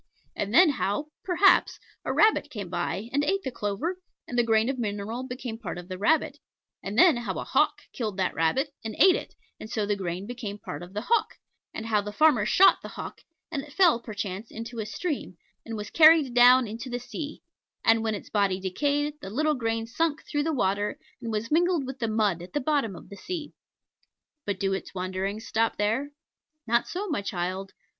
And then how, perhaps, a rabbit came by, and ate the clover, and the grain of mineral became part of the rabbit; and then how a hawk killed that rabbit, and ate it, and so the grain became part of the hawk; and how the farmer shot the hawk, and it fell perchance into a stream, and was carried down into the sea; and when its body decayed, the little grain sank through the water, and was mingled with the mud at the bottom of the sea. But do its wanderings stop there? Not so, my child.